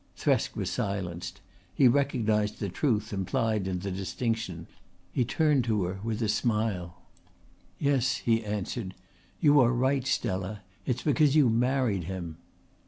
Thresk was silenced. He recognised the truth implied in the distinction, he turned to her with a smile. "Yes," he answered. "You are right, Stella. It's because you married him."